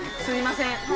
すいません。